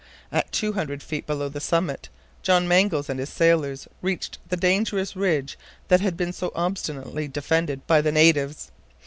At two hundred feet below the summit, John Mangles and his sailors reached the dangerous ridge that had been so obstinately defended by the natives.